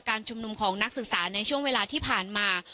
ชุมนุมของนักศึกษาในช่วงเวลาที่ผ่านมา